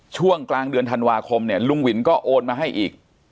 ช่วงกลางเดือนธันวาคมเนี่ยลุงวินก็โอนมาให้อีก